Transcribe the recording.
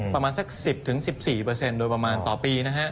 ประมาณสัก๑๐ถึง๑๔เปอร์เซ็นต์โดยประมาณต่อปีนะครับ